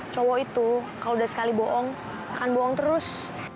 cowok itu kalau udah sekali bohong akan buang terus